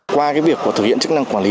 qua cái việc thực hiện chức năng quản lý